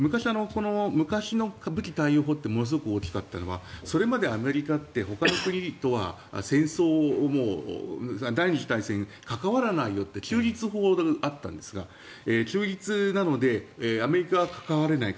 昔の武器貸与法でものすごく大きかったのはそれまでアメリカはほかの国とは第２次大戦関わらないよと中立法ってあったんですが中立なのでアメリカは関われない。